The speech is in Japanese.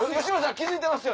気付いてます